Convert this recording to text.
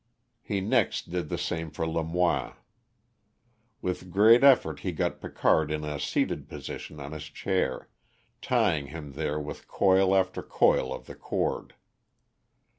He next did the same for Lamoine. With great effort he got Picard in a seated position on his chair, tying him there with coil after coil of the cord.